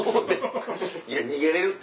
いや逃げれるって。